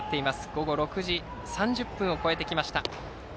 午後６時３０分を超えました。